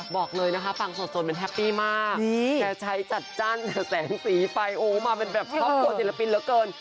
บอกเลยนะคะฟังสดมันแฮปปี้มากแกใช้จัดจ้านแต่แสงสีไฟโอ้มาเป็นแบบครอบครัวศิลปินเหลือเกิน